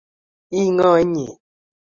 ii ngo nye